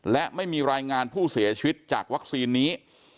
และไม่มีรายงานผู้เสียชีวิตจากวัคซีนนี้